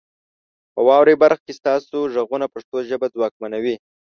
په واورئ برخه کې ستاسو غږ پښتو ژبه ځواکمنوي.